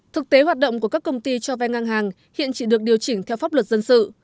thực tế hoạt động của các công ty cho vay ngang hàng hiện chỉ được điều chỉnh theo pháp luật dân sự